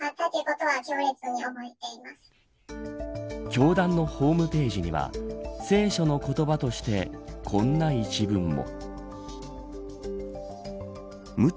教団のホームページには聖書の言葉としてこんな一文も。